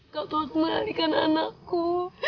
kau telah mengalihkan anakku